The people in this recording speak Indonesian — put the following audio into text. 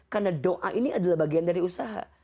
karena doa ini adalah bagian dari usaha